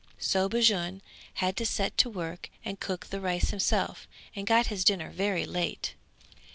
So Bajun had to set to work and cook the rice himself and got his dinner very late.